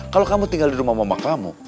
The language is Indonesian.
kalau kamu tinggal di rumah mamamu